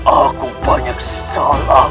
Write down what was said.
aku banyak salah